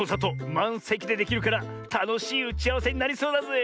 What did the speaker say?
まんせきでできるからたのしいうちあわせになりそうだぜえ。